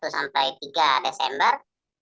satu sampai tiga desember